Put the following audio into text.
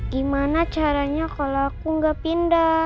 gimana caranya kalau aku nggak pindah